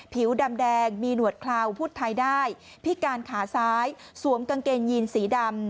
ผิวดำแดงมีหนวดเคลาพูดไทยได้พิการขาซ้ายสวมกางเกงยีนสีดำ